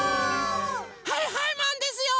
はいはいマンですよ！